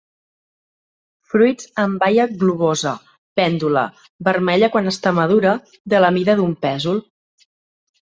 Fruits en baia globosa, pèndula, vermella quan està madura, de la mida d'un pèsol.